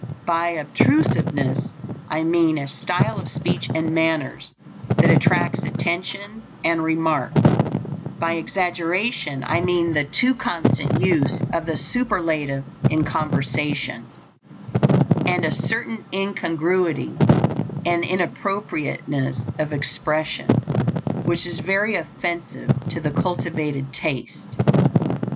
By obtrusiveness I mean a style of speech and manners that attracts attention and remark; by exaggeration I mean the too constant use of the superlative in conversation, and a certain incongruity and inappropriateness of expression which is very offensive to the cultivated taste.